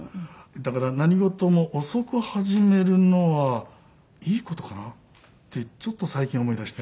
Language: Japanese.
だから何事も遅く始めるのはいい事かなってちょっと最近思いだして。